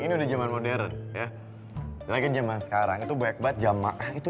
uang bisnya bu